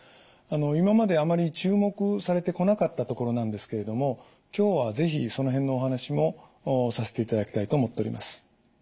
今まであまり注目されてこなかったところなんですけれども今日は是非その辺のお話もさせていただきたいと思っております。